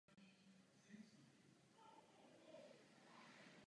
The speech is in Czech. Je méně náročná na chemickou ochranu než tržní odrůdy.